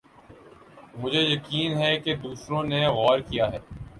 مجھے یقین ہے کہ دوسروں نے غور کِیا ہے